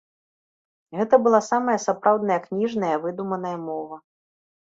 Гэта была самая сапраўдная кніжная выдуманая мова.